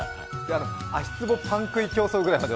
足つぼパン食い競争ぐらいまで。